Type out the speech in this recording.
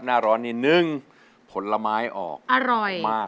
หน้าร้อนนี่นึ่งผลไม้ออกมากมาก